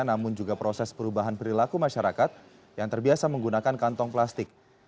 namun juga proses perubahan perilaku masyarakat yang terbiasa menggunakan kantong plastik